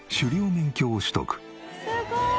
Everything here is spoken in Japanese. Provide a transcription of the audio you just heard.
すごーい！